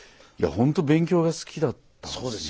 ほんと勉強が好きだったんですね。